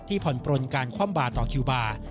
ผ่อนปลนการคว่ำบาร์ต่อคิวบาร์